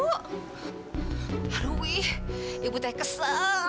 aduh ibu teh kesel